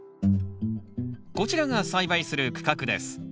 こちらが栽培する区画です。